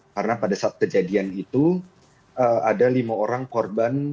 karena pada saat kejadian itu ada lima orang korban